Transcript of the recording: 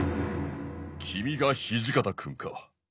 君が土方君か。